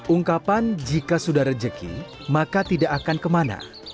ungkapan jika sudah rejeki maka tidak akan kemana